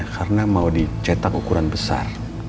karena mau dicetak ukuran besar